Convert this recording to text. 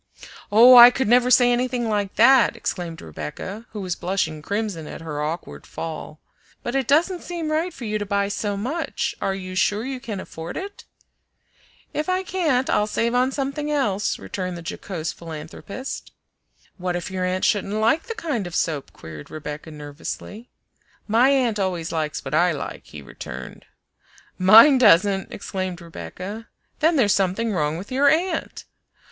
"Oh, I could never say anything like that!" exclaimed Rebecca, who was blushing crimson at her awkward fall. "But it doesn't seem right for you to buy so much. Are you sure you can afford it?" "If I can't, I'll save on something else," returned the jocose philanthropist. "What if your aunt shouldn't like the kind of soap?" queried Rebecca nervously. "My aunt always likes what I like," he returned "Mine doesn't!" exclaimed Rebecca "Then there's something wrong with your aunt!"